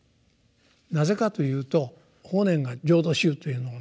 なぜかというと法然が「浄土宗」というのを名乗るのはですね